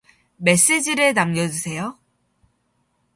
메세지를 남겨주세요.